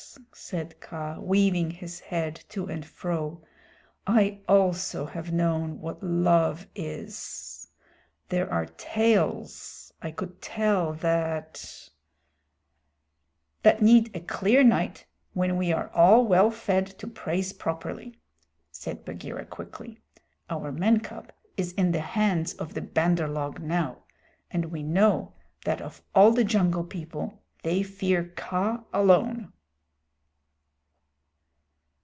said Kaa, weaving his head to and fro. "I also have known what love is. There are tales I could tell that " "That need a clear night when we are all well fed to praise properly," said Bagheera quickly. "Our man cub is in the hands of the Bandar log now, and we know that of all the Jungle People they fear Kaa alone."